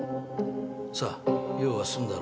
さあ用は済んだろ。